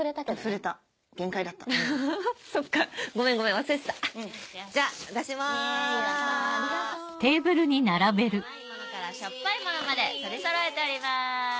甘いものからしょっぱいものまで取りそろえております！